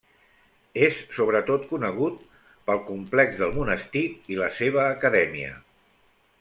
És sobretot conegut pel complex del monestir i la seva Acadèmia.